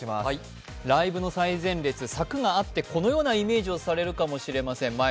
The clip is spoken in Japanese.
ライブの最前列、柵があってこのようなイメージをされるかもしれません。